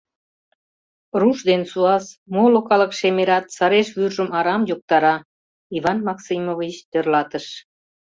Руш ден суас, моло калык шемерат сареш вӱржым арам йоктара, — Иван Максимович тӧрлатыш.